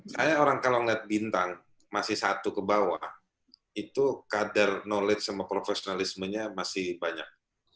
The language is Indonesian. saya orang kalau melihat bintang masih satu ke bawah itu kader knowledge sama profesionalismenya masih banyak